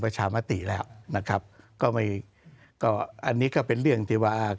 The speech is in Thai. ประชามติแล้วนะครับก็ไม่ก็อันนี้ก็เป็นเรื่องที่ว่า